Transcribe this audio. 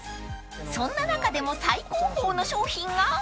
［そんな中でも最高峰の商品が］